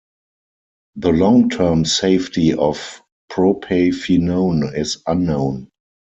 The long-term safety of propafenone is unknown.